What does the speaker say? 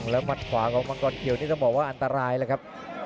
แล้วมัดขวาของมังกรเขียวนี่ต้องบอกว่าอันตรายแล้วครับ